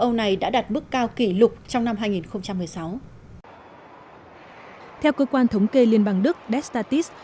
châu âu này đã đạt mức cao kỷ lục trong năm hai nghìn một mươi sáu theo cơ quan thống kê liên bang đức destatis